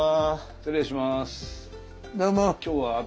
失礼します。